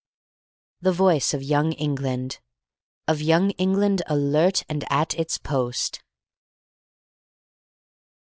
The voice of Young England of Young England alert and at its post!